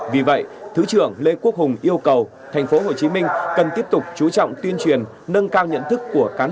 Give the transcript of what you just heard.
vì vậy thứ trưởng lê quốc hùng yêu cầu tp hcm cần tiếp tục chú trọng tuyên truyền nâng cao nhận thức của các nội dung